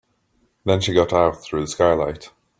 Then she got out through the skylight.